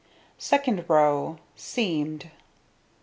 Second row: Seamed.